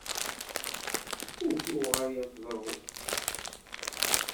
Ur tuɣal ad teḍṛu!